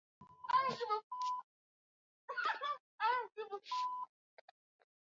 Uingereza ni nchi ya uzuri wa asili